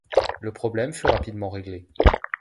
Le problème fut rapidement réglé.